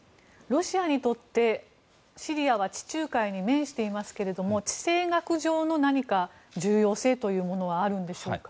ロシアにとって、シリアは地中海に面していますが地政学上の重要性というものはあるんでしょうか。